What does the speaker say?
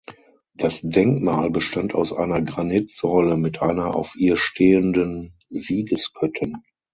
Das Denkmal bestand aus einer Granitsäule mit einer auf ihr stehenden Siegesgöttin.